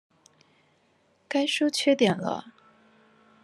該說缺點了